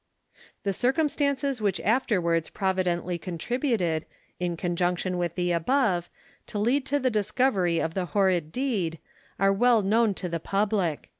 The circumstances which afterwards providently contributed, in conjunction with the above, to lead to the discovery of the horrid deed, are well known to the public.